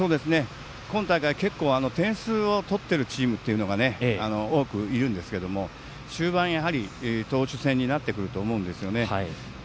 今大会、点数を取っているチームというのが多くいるんですけど終盤、投手戦になってくると思うんですよね。